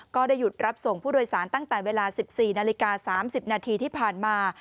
ก็ได้หยุดรับส่งผู้โดยสารตั้งแต่เวลา๑๔นาฬิกา๓๐นาทีที่ผ่านมา